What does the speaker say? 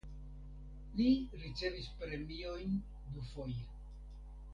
Li ricevis premiojn dufoje.